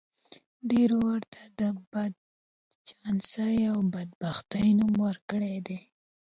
ډېرو ورته د بدچانسۍ او بدبختۍ نوم ورکړی دی.